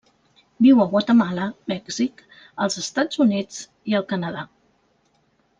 Viu a Guatemala, Mèxic, els Estats Units i el Canadà.